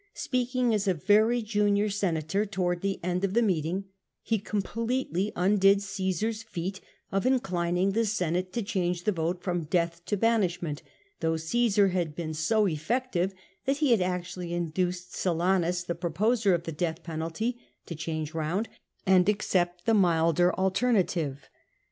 Speaking as a very junior senator towards the end of the meeting, he com pletely undid Cmsar's feat of inclining the Senate to change the vote from death to banishment, though Cmsar had been so effective that he had actually induced Silanus (the proposer of the death penalty) to change round and accept the milder alternative.